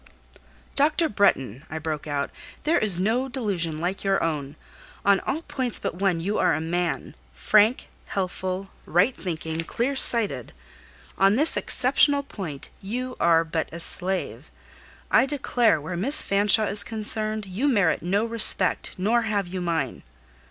"Dr. Bretton," I broke out, "there is no delusion like your own. On all points but one you are a man, frank, healthful, right thinking, clear sighted: on this exceptional point you are but a slave. I declare, where Miss Fanshawe is concerned, you merit no respect; nor have you mine."